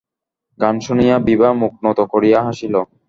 গান শুনিয়া বিভা মুখ নত করিয়া হাসিল।